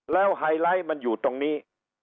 แล้วไฮไลท์มันอยู่ตรงนี้